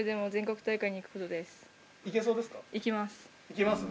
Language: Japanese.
行きます？